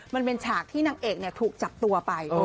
บางฉากนางเอกถูกจับตัวไป